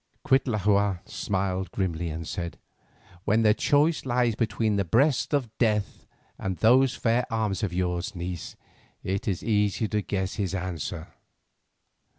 Cuitlahua smiled grimly and said, "When the choice lies between the breast of death and those fair arms of yours, niece, it is easy to guess his answer.